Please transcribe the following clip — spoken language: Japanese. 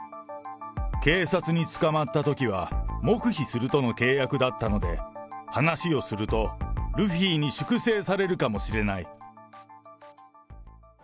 警察に捕まったときは、黙秘するとの契約だったので、話をすると、ルフィに粛清されるかもしれない。